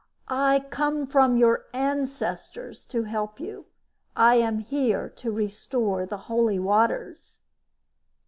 "I come from your ancestors to help you. I am here to restore the Holy Waters."